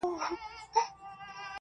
چې پر څیزونو پرده نه وي غوړیدلې